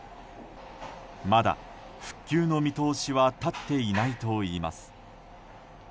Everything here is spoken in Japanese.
まだ復旧の見通しは立っていないといいます。